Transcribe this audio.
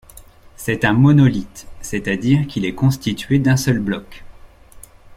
C'est un monolithe, c'est à dire qu'il est constitué d'un seul bloc.